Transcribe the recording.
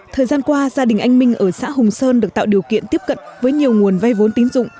thời gian qua gia đình anh minh ở xã hùng sơn được tạo điều kiện tiếp cận với nhiều nguồn vay vốn tín dụng